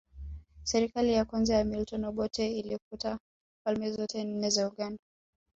Serikali ya kwanza ya Milton Obote ilifuta falme zote nne za Uganda